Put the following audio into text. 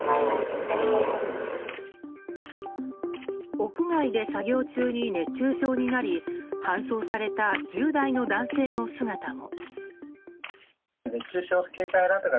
屋外で作業中に熱中症になり搬送された１０代の男性の姿も。